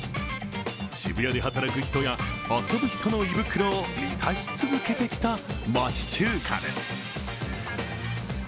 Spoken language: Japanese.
渋谷で働く人や遊ぶ人の胃袋を満たし続けてきた町中華です。